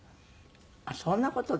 あっそんな事で？